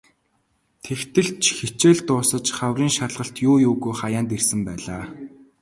Тэгтэл ч хичээл дуусаж хаврын шалгалт юу юугүй хаяанд ирсэн байлаа.